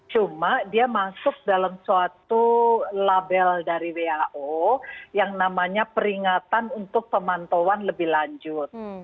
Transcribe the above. cuma dia masuk dalam suatu label dari who yang namanya peringatan untuk pemantauan lebih lanjut